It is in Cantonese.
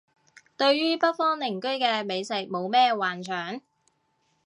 對於北方鄰居嘅美食冇咩幻想